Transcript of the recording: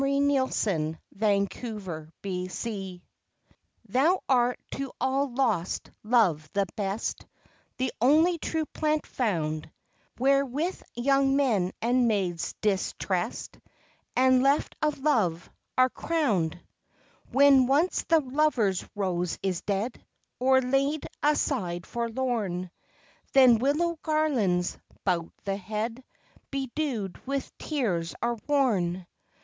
38. TO THE WILLOW TREE Thou art to all lost love the best, The only true plant found, Wherewith young men and maids distrest And left of love, are crown'd. When once the lover's rose is dead Or laid aside forlorn, Then willow garlands, 'bout the head, Bedew'd with tears, are worn.